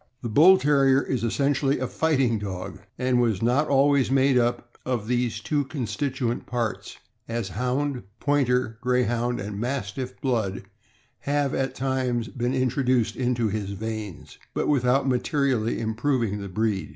The Bull Terrier is essentially a fighting dog, and was not always made up of these two constituent parts, as Hound, Pointer, Greyhound, and Mastiff blood have, at times, been introduced into his veins, but without materi ally improving the breed.